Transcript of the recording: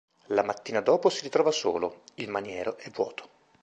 La mattina dopo si ritrova solo, il maniero è vuoto.